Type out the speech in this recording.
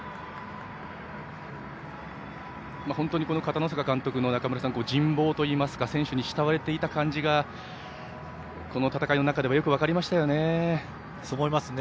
本当に片野坂監督の人望といいますか選手に慕われていた感じが戦いの中でもそう思いますね。